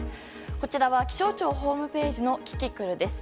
こちらは気象庁ホームページのキキクルです。